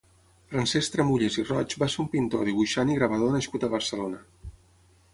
Francesc Tramulles i Roig va ser un pintor, dibuixant i gravador nascut a Barcelona.